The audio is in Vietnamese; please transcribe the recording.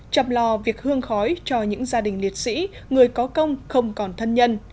chăm lo việc hương khói cho những gia đình liệt sĩ người có công không còn thân nhân